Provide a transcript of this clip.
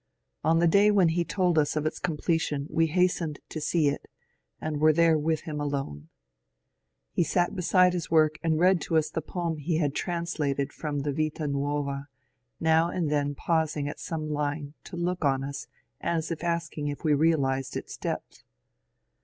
On the day when he told us of its completion we hastened to see it, and were there with ROSSETTI READS VITA NUOVA 129 him alone. He sat beside bis work and read to us tbe poem be bad translated from tbe ^'Yita Nuova," now and then pausing at some line to look on us as if asking if we realized its depth.